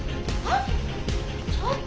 あっ！